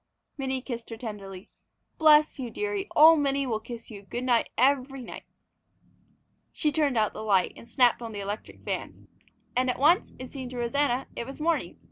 Minnie kissed her tenderly. "Bless you, dearie, old Minnie will kiss you good night every night!" She turned out the light and snapped on the electric fan. And at once, it seemed to Rosanna, it was morning.